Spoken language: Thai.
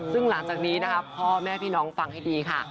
ซึ่งหลังจากนี้นะคะพ่อแม่พี่น้องฟังให้ดีค่ะ